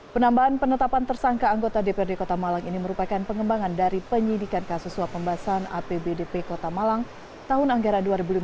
penambahan penetapan tersangka anggota dprd kota malang ini merupakan pengembangan dari penyidikan kasus suap pembahasan apbdp kota malang tahun anggaran dua ribu lima belas